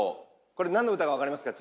これなんの歌かわかりますか？